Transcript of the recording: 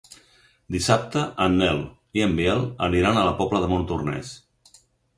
Dissabte en Nel i en Biel aniran a la Pobla de Montornès.